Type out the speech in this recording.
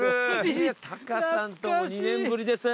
タカさんとも２年ぶりです。